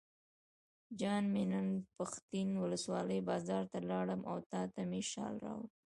جان مې نن پښتین ولسوالۍ بازار ته لاړم او تاته مې شال راوړل.